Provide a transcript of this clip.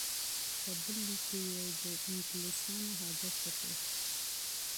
په بل لیک کې یې د انګلیسانو هدف وپوښت.